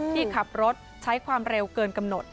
ที่ขับรถใช้ความเร็วเกินกำหนด